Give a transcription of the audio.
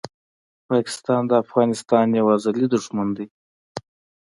پاکستان د افغانستان یو ازلي دښمن دی!